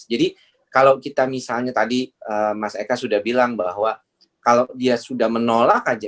kalau kita misalnya tadi mas eka sudah bilang bahwa kalau dia sudah menolak aja